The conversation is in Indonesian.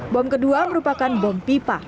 bom kedua merupakan bom pipa